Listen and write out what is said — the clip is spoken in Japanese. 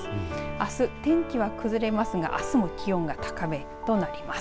あす天気は崩れますがあすも天気は気温高めとなります。